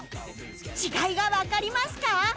違いがわかりますか？